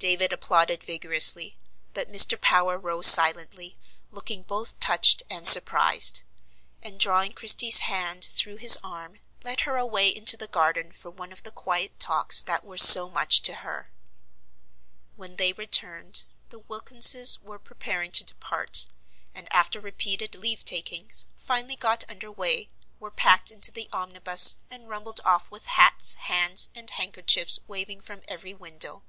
David applauded vigorously; but Mr. Power rose silently, looking both touched and surprised; and, drawing Christie's hand through his arm, led her away into the garden for one of the quiet talks that were so much to her. When they returned, the Wilkinses were preparing to depart; and, after repeated leave takings, finally got under way, were packed into the omnibus, and rumbled off with hats, hands, and handkerchiefs waving from every window.